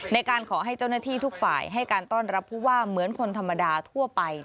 ในการขอให้เจ้าหน้าที่ทุกฝ่ายให้การต้อนรับผู้ว่าเหมือนคนธรรมดาทั่วไป